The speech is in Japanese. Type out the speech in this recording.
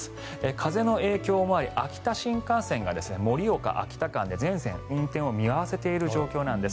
風の影響もあり秋田新幹線が盛岡秋田間で全線運転を見合わせている状況なんです。